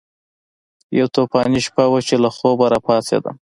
یوه طوفاني شپه وه چې له خوبه راپاڅېدم.